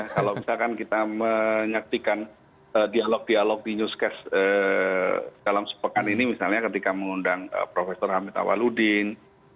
kalau misalkan kita menyaksikan dialog dialog di newscast dalam sepekan ini misalnya ketika mengundang prof hamid awaludin